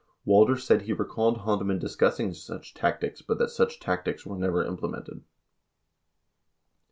56 Walker said he recalled Haldeman discussing such tactics but that such tactics were never implemented.